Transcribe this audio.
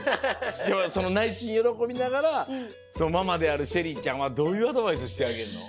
ないしんよろこびながらママであるＳＨＥＬＬＹちゃんはどういうアドバイスしてあげるの？